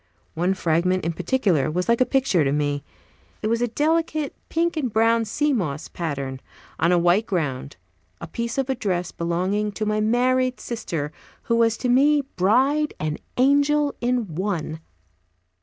One fragment, in particular, was like a picture to me. It was a delicate pink and brown sea moss pattern, on a white ground, a piece of a dress belonging to my married sister, who was to me bride and angel in One.